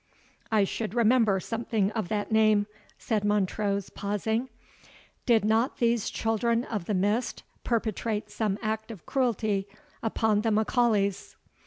"I should remember something of that name," said Montrose, pausing: "Did not these Children of the Mist perpetrate some act of cruelty upon the M'Aulays?"